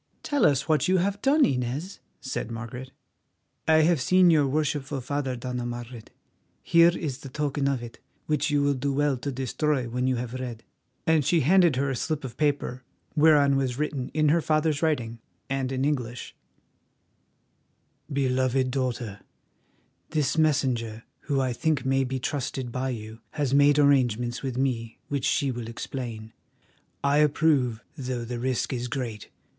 "Tell us what you have done, Inez?" said Margaret. "I have seen your worshipful father, Dona Margaret; here is the token of it, which you will do well to destroy when you have read." And she handed her a slip of paper, whereon was written in her father's writing, and in English: "BELOVED DAUGHTER, "This messenger, who I think may be trusted by you, has made arrangements with me which she will explain. I approve, though the risk is great.